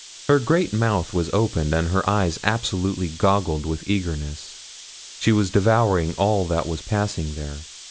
Her great mouth was open, and her eyes absolutely goggled with eagerness. She was devouring all that was passing there.